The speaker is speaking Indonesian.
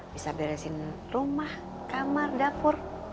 bisa beresin rumah kamar dapur